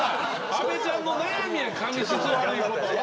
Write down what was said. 阿部ちゃんの悩みや髪質悪いことは。